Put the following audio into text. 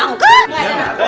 enggak ada nangka